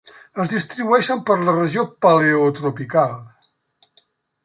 Es distribueixen per la regió paleotropical: